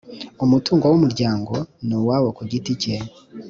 umutungo w umuryango ni uwawo kugiti cye